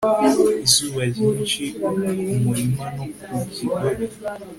izuba ryinshi kumurima no ku kigobe